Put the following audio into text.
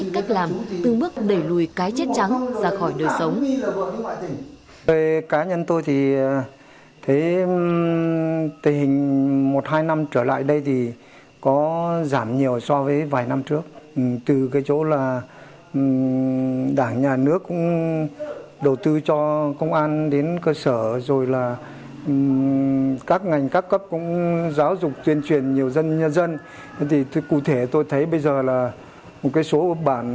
cách làm từng bước đẩy lùi cái chết trắng ra khỏi đời sống